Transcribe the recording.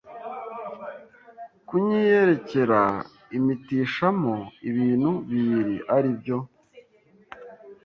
kunyiyerekera impitishamo ibintu bibiri ari byo: